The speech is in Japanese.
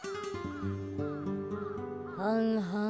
はんはん。